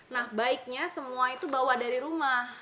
nah baiknya semua itu bawa dari rumah